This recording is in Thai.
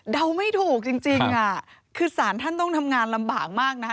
ไม่ถูกจริงคือสารท่านต้องทำงานลำบากมากนะคะ